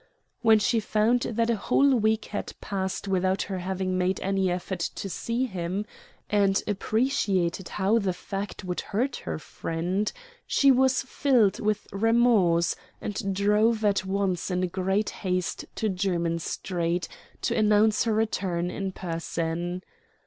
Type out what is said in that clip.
When she found that a whole week had passed without her having made any effort to see him, and appreciated how the fact would hurt her friend, she was filled with remorse, and drove at once in great haste to Jermyn Street, to announce her return in person.